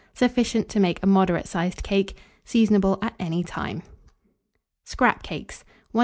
Sufficient to make a moderate sized cake. Seasonable at any time. SCRAP CAKES. 1779.